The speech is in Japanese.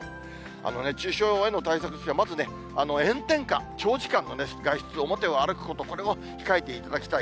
熱中症への対策ですが、まず炎天下、長時間の外出、表を歩くこと、これを控えていただきたい。